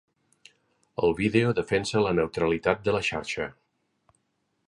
El vídeo defensa la neutralitat de la xarxa.